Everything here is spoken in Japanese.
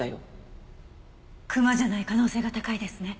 熊じゃない可能性が高いですね。